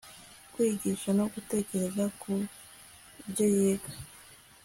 kwiyigisha no gutekereza ku byo yiga